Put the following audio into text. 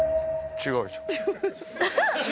違うじゃん。